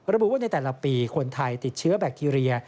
ระบุว่าในแต่ละปีคนไทยติดเชื้อแบคทีเรีย